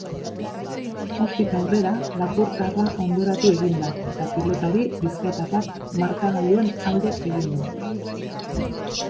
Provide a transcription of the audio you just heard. Hortik aurrera lapurtarra hondoratu egin da eta pilotari bizkaitarrak markagailuan alde egin du.